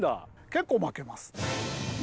結構負けます。